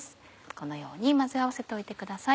このように混ぜ合わせておいてください。